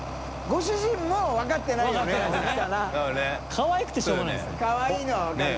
かわいくてしょうがないんですね。